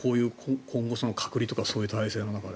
今後、隔離とかそういう体制の中で。